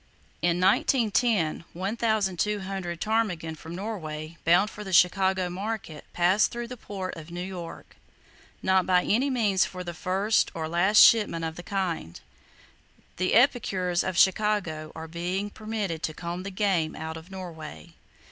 In 1910, 1,200 ptarmigan from Norway, bound for the Chicago market, passed through the port of New York,—not by any means the first or the last shipment of the kind. The epicures of Chicago are being permitted to comb the game out of Norway.